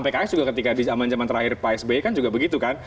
pks juga ketika di zaman zaman terakhir pak sby kan juga begitu kan